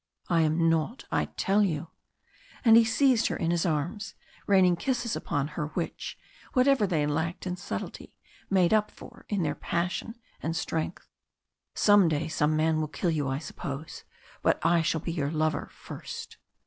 I am not, I tell you!" and he seized her in his arms, raining kisses upon her which, whatever they lacked in subtlety, made up for in their passion and strength. "Some day some man will kill you, I suppose, but I shall be your lover first!"